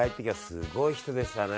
すごい人でしたね。